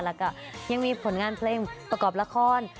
แล้วก็ยังมีผลงานเพลงประกอบละคร